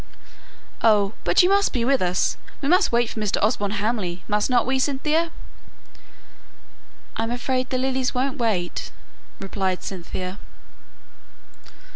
"Oh, but you must be with us! We must wait for Mr. Osborne Hamley, must not we, Cynthia?" "I'm afraid the lilies won't wait," replied Cynthia.